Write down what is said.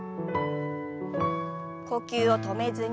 呼吸を止めずに。